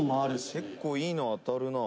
結構いいの当たるな。